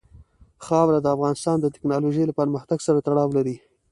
خاوره د افغانستان د تکنالوژۍ له پرمختګ سره تړاو لري.